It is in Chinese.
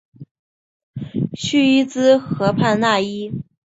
叙伊兹河畔讷伊。